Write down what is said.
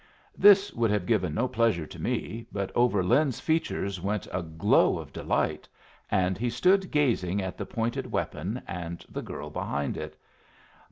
This would have given no pleasure to me; but over Lin's features went a glow of delight, and he stood gazing at the pointed weapon and the girl behind it.